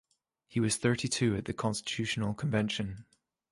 He was thirty-two at the constitutional convention.